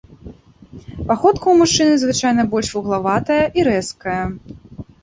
Паходка ў мужчыны звычайна больш вуглаватая і рэзкая.